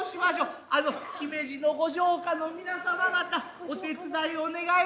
あの姫路の御城下の皆様方お手伝いを願えますか。